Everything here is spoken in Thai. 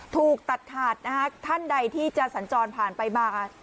ถูกตัดขาดนะฮะท่านใดที่จะสัญจรผ่านไปมา